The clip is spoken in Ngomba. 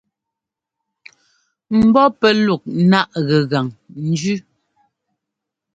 Mbɔ́ pɛ́ luk náʼ gɛgan njʉ.